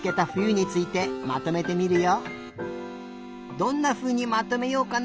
どんなふうにまとめようかな？